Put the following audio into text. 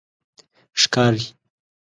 ښکاری